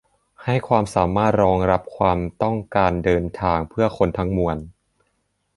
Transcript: ให้สามารถรองรับความต้องการเดินทางเพื่อคนทั้งมวล